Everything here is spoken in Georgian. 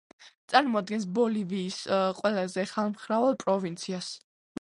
წარმოადგენს ბოლივიის ყველაზე ხალხმრავალ პროვინციას.